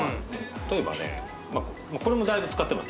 例えばねこれもだいぶ使ってます